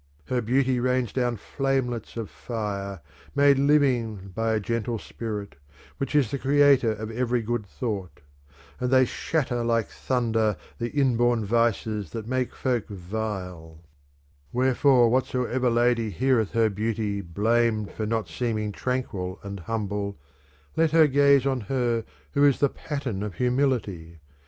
'"~ Her beauty rains down flamelets of fire,' " Made living by a gentle spirit, which is the creator of every good thought : and they shatter like thunder the inborn vices that make folk vile ; wherefore whatsoever lady heareth her THE THIRD TREATISE 137 beauty blamed for not seeming tranquil and humble, let her gaze on her who is the pattern of humility.